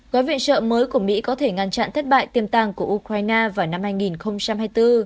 gói viện trợ mới của mỹ có thể ngăn chặn thất bại tiềm tàng của ukraine vào năm hai nghìn hai mươi bốn